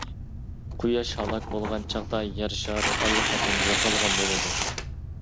قۇياش ھالاك بولغان چاغدا، يەر شارى ئاللىقاچان يوقالغان بولىدۇ.